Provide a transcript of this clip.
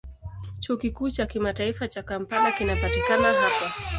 Chuo Kikuu cha Kimataifa cha Kampala kinapatikana hapa.